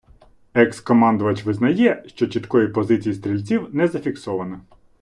Екс - командувач визнає, що чіткої позиції стрільців не зафіксовано.